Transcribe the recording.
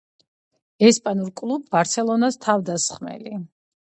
ესპანურ კლუბ ბარსელონას თავდამსხმელი.